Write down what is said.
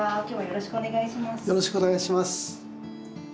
よろしくお願いします。